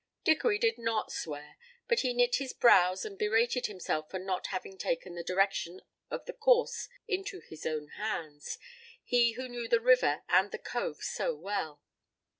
Dickory did not swear, but he knit his brows and berated himself for not having taken the direction of the course into his own hands, he who knew the river and the cove so well.